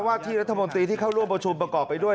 ที่รัฐมนตรีที่เข้าร่วมประชุมประกอบไปด้วย